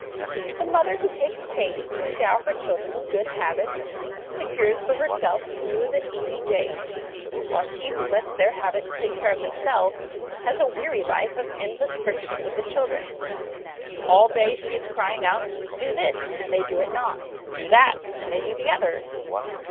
The mother who takes pains to endow her children with good habits secures for herself smooth and easy days ; while she who lets their habits take care of themselves has a weary life of endless friction with the children. All day she is crying out, ' Do this !' and they do it not ;* Do that !' and they do the other.